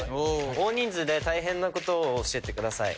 大人数で大変なことを教えてください。